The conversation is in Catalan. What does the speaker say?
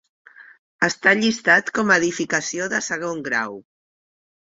Està llistat com a edificació de segon grau.